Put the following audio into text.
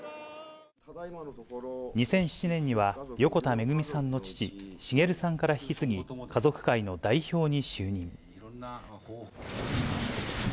２００７年には、横田めぐみさんの父、滋さんから引き継ぎ、家族会の代表に就任。